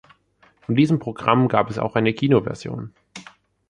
Von diesem Programm gab es auch eine Kinoversion.